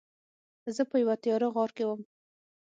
زه په یوه تیاره غار کې وم.